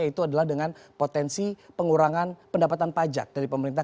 yaitu adalah dengan potensi pengurangan pendapatan pajak dari pemerintah